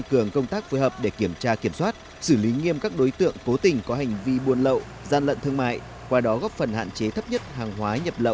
công tác phòng chống buôn lậu cũng như là